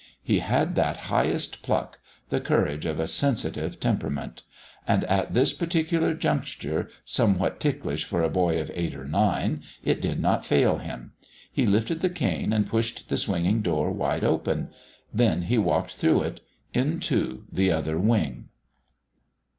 He had that highest pluck the courage of a sensitive temperament. And at this particular juncture, somewhat ticklish for a boy of eight or nine, it did not fail him. He lifted the cane and pushed the swinging door wide open. Then he walked through it into the Other Wing.